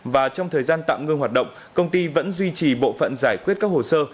và trong thời gian tạm ngưng hoạt động công ty vẫn duy trì bộ phận giải quyết các hồ sơ